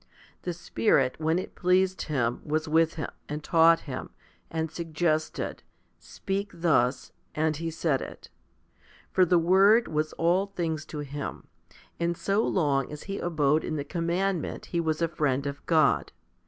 The Spirit, when it pleased Him, was with him, and taught him, and suggested, " Speak thus," and he said it. For the Word was all things to him, and so long as he abode in the commandment he was a friend of God.